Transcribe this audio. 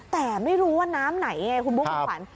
แต่ไม่รู้ว่าน้ำไหนไงคุณบุ๊คคุณขวัญ